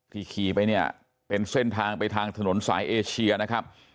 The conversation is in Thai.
ขี่ไปเนี่ยเป็นเส้นทางไปทางถนนสายเอเชียนะครับ